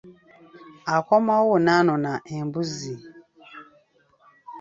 Akomawo n'anona embuzi.